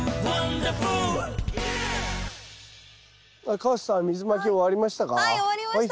川瀬さん水まき終わりましたか？